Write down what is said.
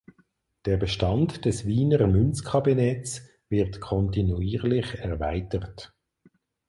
Der Bestand des Wiener Münzkabinetts wird kontinuierlich erweitert.